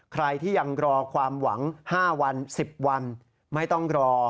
ใครที่ยังรอความหวัง๕วัน๑๐วันไม่ต้องรอ